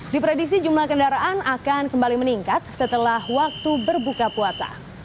diprediksi jumlah kendaraan akan kembali meningkat setelah waktu berbuka puasa